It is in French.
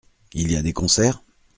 Il y a des concerts ?